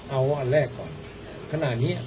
เอาอันแรกก่อนขนาดนี้